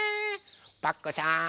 パクこさん